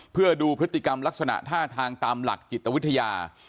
เพื่อดูพฤติกรรมลักษณะท่าทางตามหลักจิตวิทยา